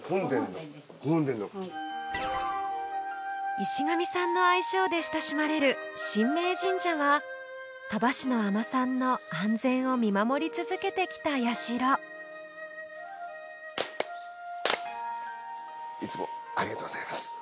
「石神さん」の愛称で親しまれる「神明神社」は鳥羽市の海女さんの安全を見守り続けてきた社いつもありがとうございます。